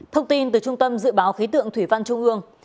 thông tin từ trung tâm dự báo khí tượng thủy văn trung ương